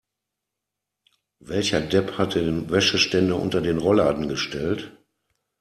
Welcher Depp hat den Wäscheständer unter den Rollladen gestellt?